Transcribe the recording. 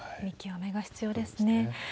見極めが必要ですね。